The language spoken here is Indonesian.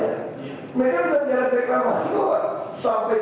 jadi yang diingatkan